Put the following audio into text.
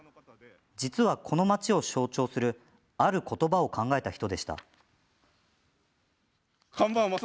実は、この町を象徴するある言葉を考えた人でした。